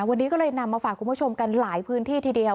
วันนี้ก็เลยนำมาฝากคุณผู้ชมกันหลายพื้นที่ทีเดียว